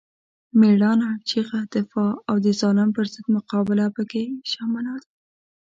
مېړانه، چیغه، دفاع او د ظالم پر ضد مقابله پکې شامله ده.